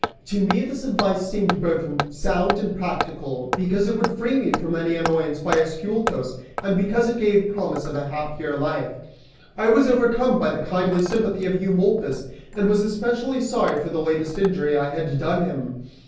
(To me, this advice seemed both sound and practical, because it would free me from any annoyance by Ascyltos, and because it gave promise of a happier life. I was overcome by the kindly sympathy of Eumolpus, and was especially sorry for the latest injury I had done him.